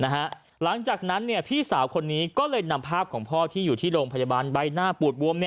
หลังจากนั้นพี่สาวคนนี้ก็เลยนำภาพของพ่อที่อยู่ที่โรงพยาบาลใบหน้าปูดบวม